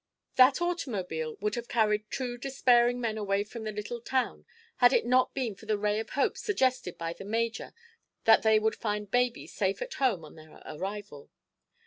That automobile would have carried two despairing men away from the little town had it not been for the ray of hope suggested by the major that they would find baby safe at home on their arrival.